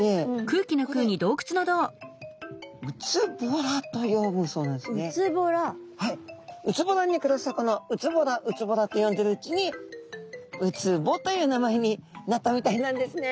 空洞に暮らす魚うつぼらうつぼらって呼んでるうちに「うつぼ」という名前になったみたいなんですね。